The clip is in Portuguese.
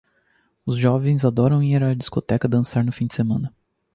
Os jovens adoram ir à discoteca dançar no fim de semana.